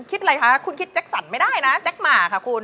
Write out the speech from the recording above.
คิดอะไรคะคุณคิดแจ็คสันไม่ได้นะแจ็คหมาค่ะคุณ